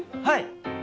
はい！